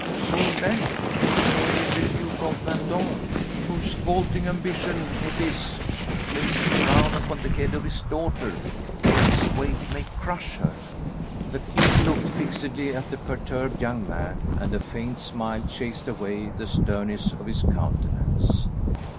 Whom then? Merely the Duke of Vendôme, whose vaulting ambition it is to place a crown upon the head of his daughter, though its weight may crush her." The king looked fixedly at the perturbed young man, and a faint smile chased away the sternness of his countenance.